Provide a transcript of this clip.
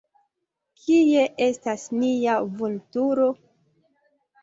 Kie estas nia Vulturo?